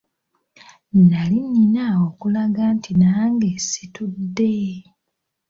Nali nnina okulaga nti nange situdde.